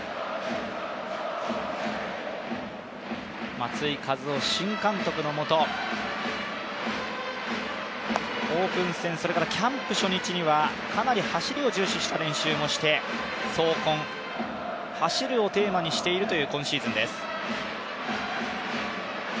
松井稼頭央新監督のもと、オープン戦、キャンプ初日にはかなり走りを重視した練習をして「走魂」走るをテーマにしているという今シーズンです。